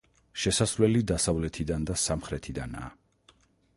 შესასვლელი დასავლეთიდან და სამხრეთიდანაა.